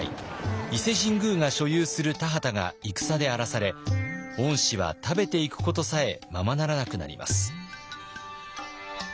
伊勢神宮が所有する田畑が戦で荒らされ御師は食べていくことさえままならなくなります。